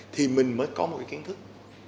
thì mình mới có một cái kiến thức